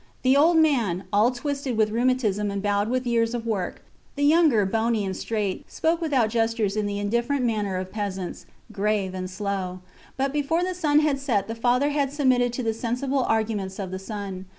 The old man, all twisted with rheumatism and bowed with years of work, the younger bony and straight, spoke without gestures in the indifferent manner of peasants, grave and slow. But before the sun had set the father had submitted to the sensible arguments of the son.